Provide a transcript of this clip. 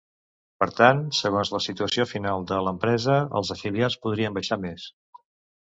Per tant, segons la situació final de l’empresa, els afiliats podrien baixar més.